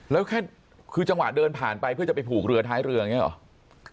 แล้วแค่คือจังหวะเดินผ่านไปเพื่อจะไปผูกเรือท้ายเรืออย่างนี้หรอ